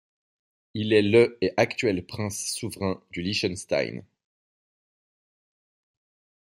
Il est le et actuel prince souverain du Liechtenstein.